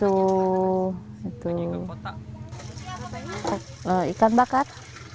oh itu ikan bakar